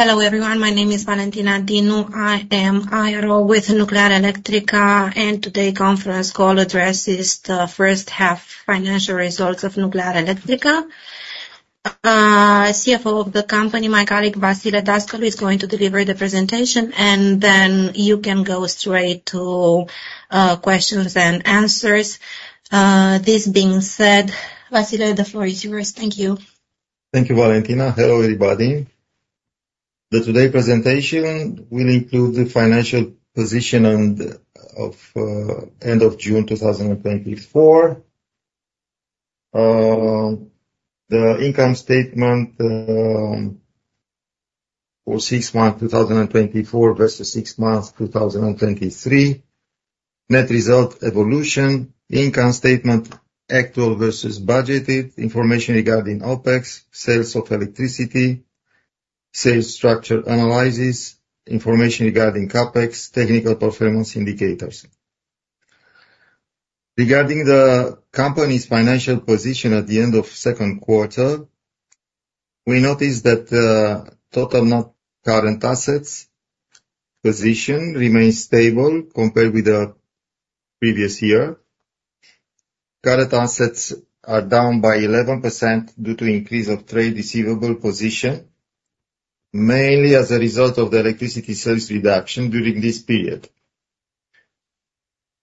Hello, everyone. My name is Valentina Dinu. I am IRO with Nuclearelectrica, and today conference call addresses the first half financial results of Nuclearelectrica. CFO of the company, my colleague, Vasile Dascalu, is going to deliver the presentation, and then you can go straight to questions and answers. This being said, Vasile, the floor is yours. Thank you. Thank you, Valentina. Hello, everybody. Today's presentation will include the financial position as of end of June 2024. The income statement for six months, 2024, versus six months, 2023. Net result evolution, income statement, actual versus budgeted, information regarding OpEx, sales of electricity, sales structure analysis, information regarding CapEx, technical performance indicators. Regarding the company's financial position at the end of Q2, we notice that total non-current assets position remains stable compared with the previous year. Current assets are down by 11% due to increase of trade receivable position, mainly as a result of the electricity sales reduction during this period.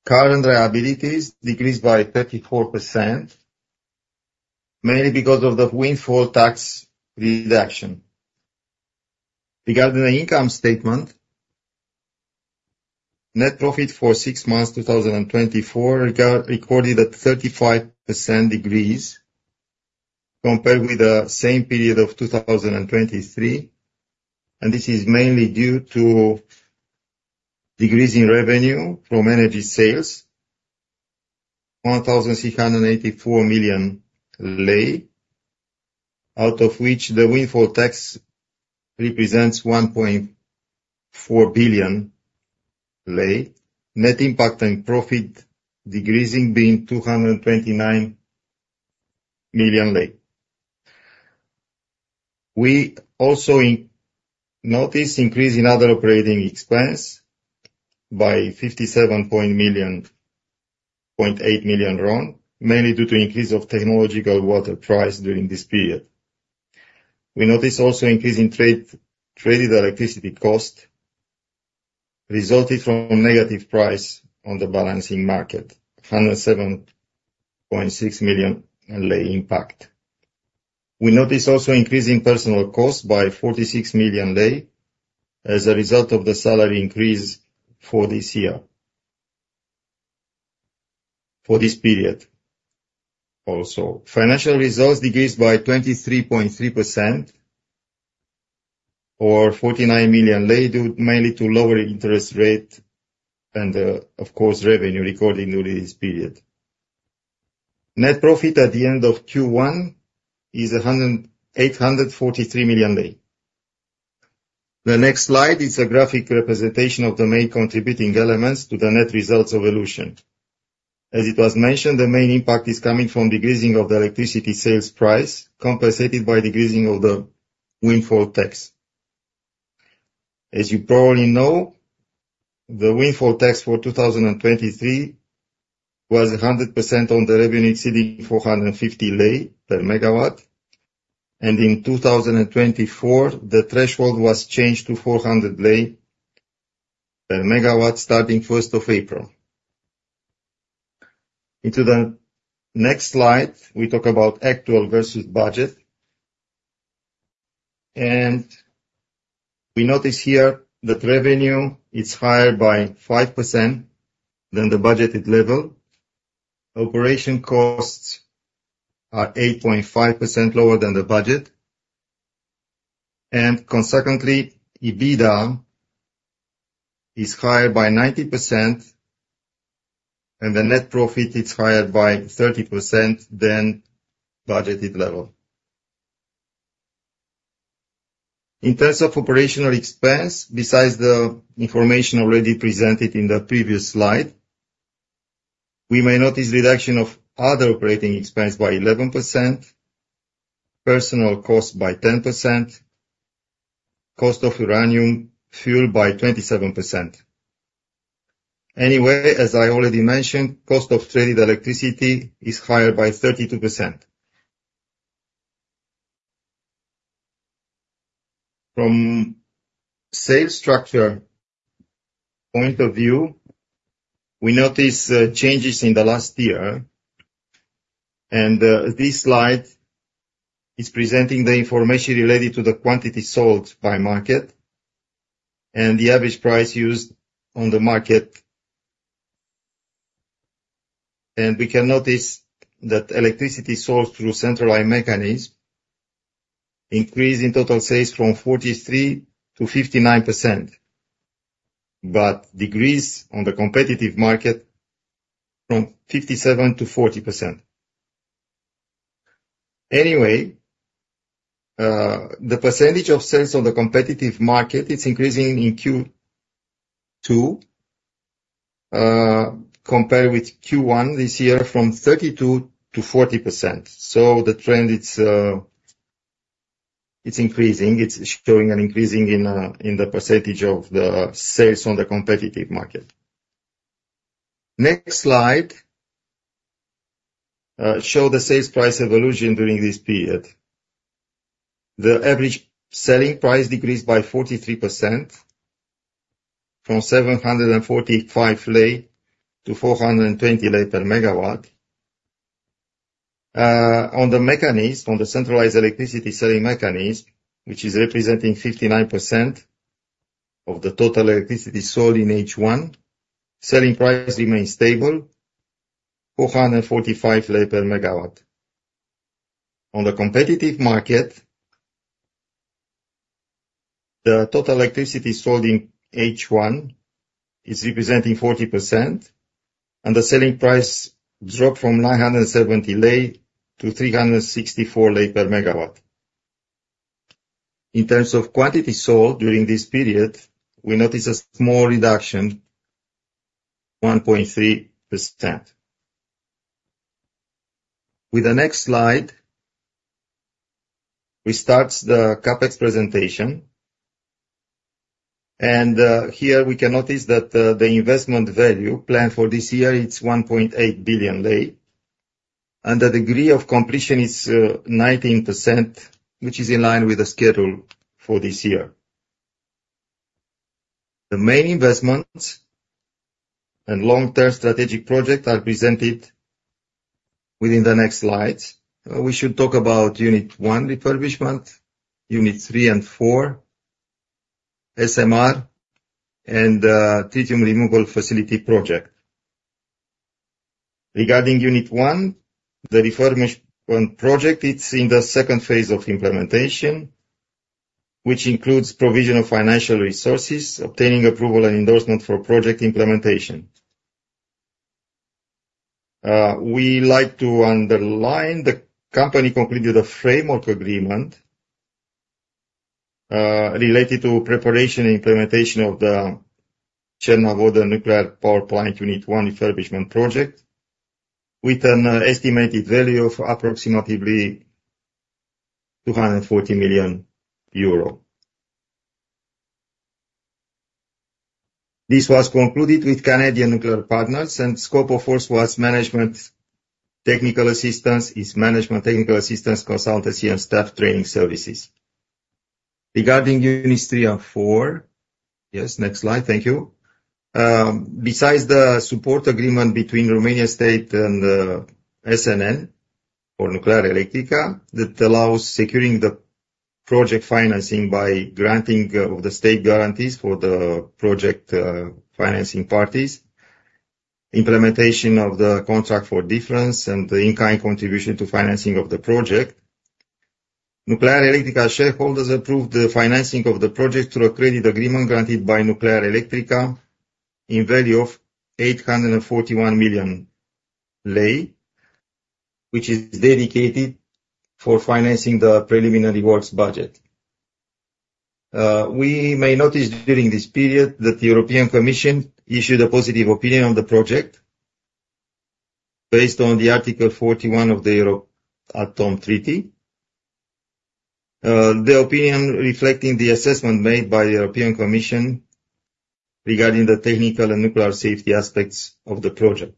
Current liabilities decreased by 34%, mainly because of the windfall tax reduction. Regarding the income statement, net profit for six months, 2024, recorded at 35% decrease compared with the same period of 2023, and this is mainly due to decrease in revenue from energy sales, RON 1,384 million, out of which the windfall tax represents RON 1.4 billion. Net impact on profit decreasing being RON 229 million. We also notice increase in other operating expense by 57.8 million RON, mainly due to increase of technological water price during this period. We notice also increase in traded electricity cost, resulted from negative price on the balancing market, RON 107.6 million impact. We notice also increase in personnel cost by RON 46 million, as a result of the salary increase for this year, for this period also. Financial results decreased by 23.3% or RON 49 million, due mainly to lower interest rate and, of course, revenue recorded during this period. Net profit at the end of Q1 is RON 843 million. The next slide is a graphic representation of the main contributing elements to the net results evolution. As it was mentioned, the main impact is coming from decreasing of the electricity sales price, compensated by decreasing of the windfall tax. As you probably know, the windfall tax for 2023 was 100% on the revenue exceeding RON 450/MWh, and in 2024, the threshold was changed to RON 400/MWh, starting April 1. Into the next slide, we talk about actual versus budget. We notice here that revenue is higher by 5% than the budgeted level. Operating costs are 8.5% lower than the budget. Consequently, EBITDA is higher by 90%, and the net profit is higher by 30% than budgeted level. In terms of operational expense, besides the information already presented in the previous slide, we may notice reduction of other operating expense by 11%, personnel cost by 10%, cost of uranium fuel by 27%. Anyway, as I already mentioned, cost of traded electricity is higher by 32%. From sales structure point of view, we notice changes in the last year, and this slide is presenting the information related to the quantity sold by market and the average price used on the market. We can notice that electricity sold through centralized mechanism increase in total sales from 43%-59%, but decrease on the competitive market from 57%-40%. Anyway, the percentage of sales on the competitive market, it's increasing in Q2. Compared with Q1 this year, from 32%-40%. The trend, it's increasing. It's showing an increasing in in the percentage of the sales on the competitive market. Next slide show the sales price evolution during this period. The average selling price decreased by 43%, from RON 745 to RON 420 per megawatt. On the mechanism, on the centralized electricity selling mechanism, which is representing 59% of the total electricity sold in H1, selling price remains stable, RON 445 per megawatt. On the competitive market, the total electricity sold in H1 is representing 40%, and the selling price dropped from RON 970 to RON 364 per megawatt. In terms of quantity sold during this period, we notice a small reduction, 1.3%. With the next slide, we start the CapEx presentation, and here we can notice that the investment value planned for this year, it's RON 1.8 billion. The degree of completion is 19%, which is in line with the schedule for this year. The main investments and long-term strategic project are presented within the next slides. We should talk about Unit 1 refurbishment, Units 3 and 4, SMR, and Tritium Removal Facility project. Regarding Unit 1, the refurbishment project, it's in the second phase of implementation, which includes provision of financial resources, obtaining approval and endorsement for project implementation. We like to underline, the company completed a framework agreement related to preparation and implementation of the Cernavoda Nuclear Power Plant Unit 1 refurbishment project, with an estimated value of approximately 240 million euro. This was concluded with Canadian Nuclear Partners, and scope, of course, was management, technical assistance, its management technical assistance, consultancy, and staff training services. Regarding Units 3 and 4... Yes, next slide. Thank you. Besides the support agreement between Romanian state and SNN or Nuclearelectrica, that allows securing the project financing by granting of the state guarantees for the project, financing parties, implementation of the contract for difference, and the in-kind contribution to financing of the project. Nuclearelectrica shareholders approved the financing of the project through a credit agreement granted by Nuclearelectrica in value of RON 841 million, which is dedicated for financing the preliminary works budget. We may notice during this period that the European Commission issued a positive opinion on the project based on Article 41 of the Euratom Treaty. The opinion reflecting the assessment made by the European Commission regarding the technical and nuclear safety aspects of the project.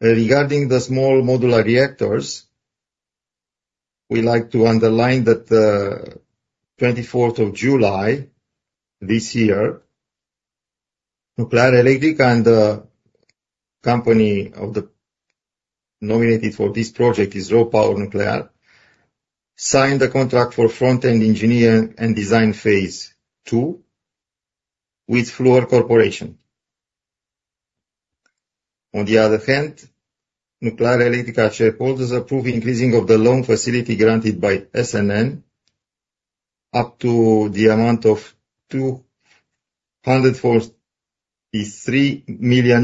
Regarding the small modular reactors, we like to underline that, on July 24, this year, Nuclearelectrica and the company nominated for this project, RoPower Nuclear, signed the contract for Front-End Engineering and Design Phase 2 with Fluor Corporation. On the other hand, Nuclearelectrica shareholders approve increasing of the loan facility granted by SNN up to the amount of $243 million.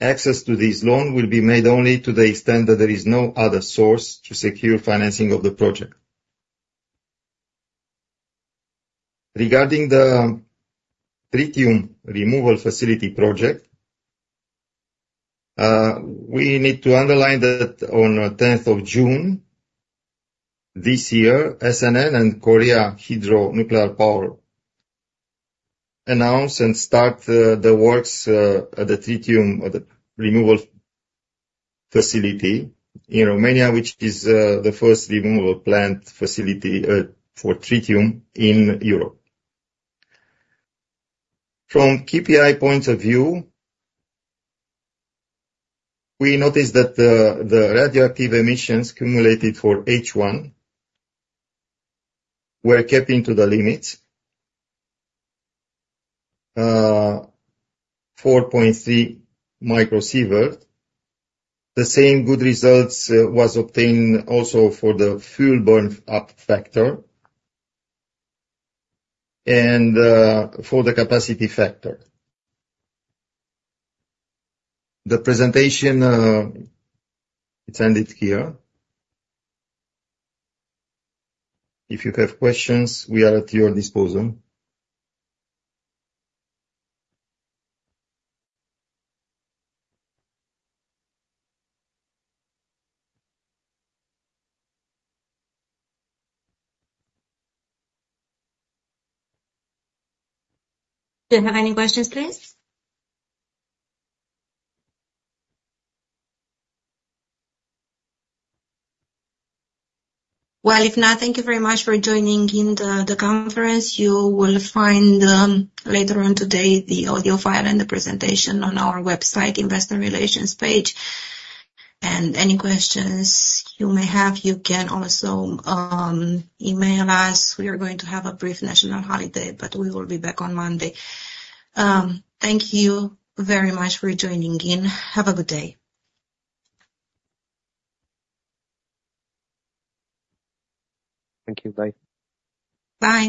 Access to this loan will be made only to the extent that there is no other source to secure financing of the project. Regarding the Tritium Removal Facility project, we need to underline that on June 10, this year, SNN and Korea Hydro & Nuclear Power announce and start the works at the Tritium Removal Facility in Romania, which is the first removal plant facility for tritium in Europe. From KPI point of view, we noticed that the radioactive emissions accumulated for H1 were kept into the limits, 4.3 microsievert. The same good results was obtained also for the fuel burn-up factor and for the capacity factor. The presentation it ended here. If you have questions, we are at your disposal. Do you have any questions, please? Well, if not, thank you very much for joining in the conference. You will find later on today the audio file and the presentation on our website, investor relations page. And any questions you may have, you can also email us. We are going to have a brief national holiday, but we will be back on Monday. Thank you very much for joining in. Have a good day. Thank you. Bye. Bye.